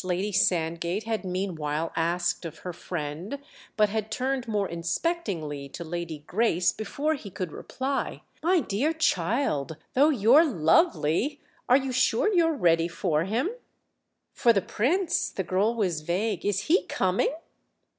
Lady Sandgate had meanwhile asked of her friend; but had turned more inspectingly to Lady Grace before he could reply. "My dear child—though you're lovely!—are you sure you're ready for him?" "For the Prince!"—the girl was vague. "Is he coming?"